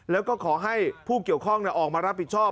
แล้วก็ขอให้ผู้เกี่ยวข้องออกมารับผิดชอบ